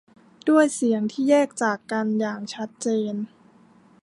ด้วยเสียงที่แยกจากกันอย่างชัดเจน